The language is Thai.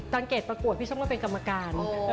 ตอนเกรดประกวดพี่ชมก็เป็นกรรมการ